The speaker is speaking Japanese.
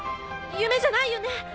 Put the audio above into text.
夢じゃないよね？